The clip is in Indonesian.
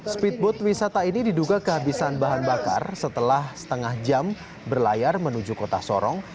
speedboat wisata ini diduga kehabisan bahan bakar setelah setengah jam berlayar menuju kota sorong